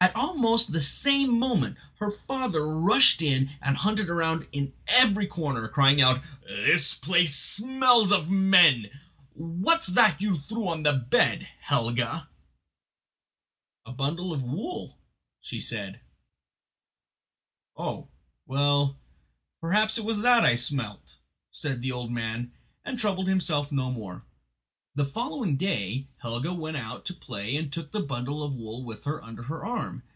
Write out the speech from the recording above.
Almost at the same moment her father rushed in and hunted round in every corner, crying out: "This place smells of men. What's that you threw on the bed, Helga?" "A bundle of wool," said she. "Oh, well, perhaps it was that I smelt," said the old man, and troubled himself no more. The following day Helga went out to play and took the bundle of wool with her under her arm.